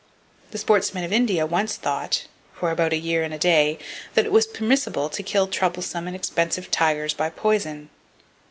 The sportsmen of India once thought,—for about a year and a day,—that it was permissible to kill troublesome and expensive tigers by poison.